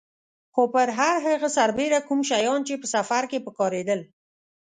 خو پر هغه سربېره کوم شیان چې په سفر کې په کارېدل.